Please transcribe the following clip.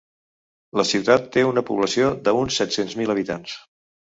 La ciutat té una població d’uns set-cents mil habitants.